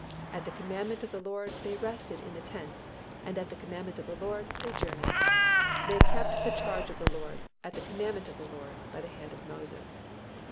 At the commandment of the LORD they rested in the tents, and at the commandment of the LORD they journeyed: they kept the charge of the LORD, at the commandment of the LORD by the hand of Moses" (Num.